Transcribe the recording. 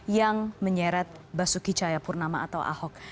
yang menyeret basuki cahayapurnama atau ahok